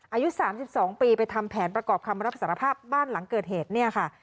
อายุ๓๒ปีไปทำแผนประกอบคำรับสารภาพบ้านหลังเกิดเหตุเนี่ยค่ะ